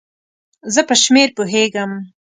زه په شمېر پوهیږم